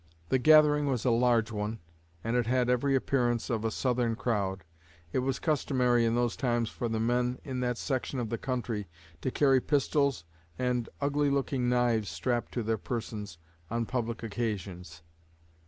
The gathering was a large one, and it had every appearance of a Southern crowd. It was customary in those times for the men in that section of the country to carry pistols and ugly looking knives strapped to their persons, on public occasions.